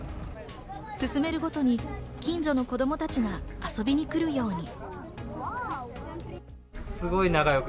進めるごとに近所の子供たちが遊びに来るように。